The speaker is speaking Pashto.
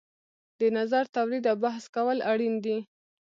د نظر تولید او بحث کول اړین دي.